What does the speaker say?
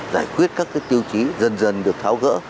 giải quyết các tiêu chí dần dần được tháo gỡ